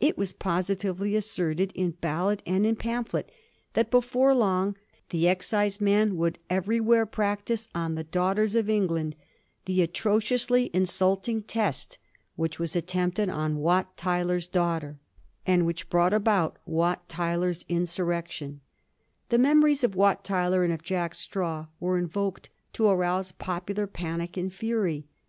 It was positively asserted in ballad and in pamphlet that before long the exciseman would everywhere practise on the daughters of England the atrociously insulting test which was attempted on VOL. I. BE Digiti zed by Google 418 A mSTORY OP THE FOUR GEORGES. oh. xx. Wat Tyler's daoghter, and which brought about Wat Tyler's msurrection. The memories of Wat Tyler and of Jack Straw were invoked to arouse popular panic and fury.